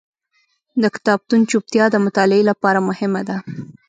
د کتابتون چوپتیا د مطالعې لپاره مهمه ده.